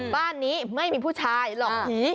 บ้านนี้ไม่มีผู้ชายหลอกผี